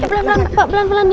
pelan pelan pak pelan pelan dia